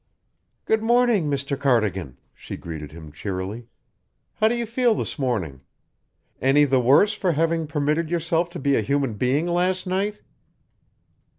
"Good morning, Mr. Cardigan," she greeted him cheerily. "How do you feel this morning? Any the worse for having permitted yourself to be a human being last night?"